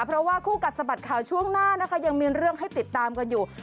เพราะว่าคู่กัดสะบัดข่าวช่วงหน้านะคะยังมีเรื่องให้ติดตามกันอยู่